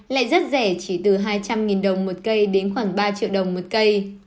lại rất rẻ chỉ từ hai trăm linh đồng một cây đến khoảng ba triệu đồng một cây